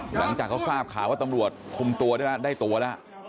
หลังจากเขาทราบข่าวว่าตำรวจคุมตัวได้แล้วได้ตัวแล้ว